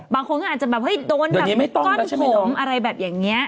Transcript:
บางคนอาจจะแบบโดนก้อนผมอะไรแบบนี้